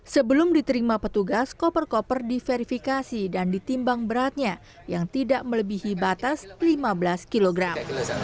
sebelum diterima petugas koper koper diverifikasi dan ditimbang beratnya yang tidak melebihi batas lima belas kilogram